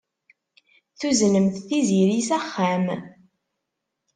Tuznemt Tiziri s axxam.